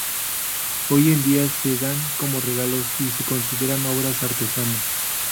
Hoy en día, se dan como regalos y se consideran obras artesanas.